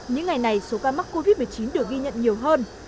những ngày này số ca mắc covid một mươi chín được ghi nhận nhiều hơn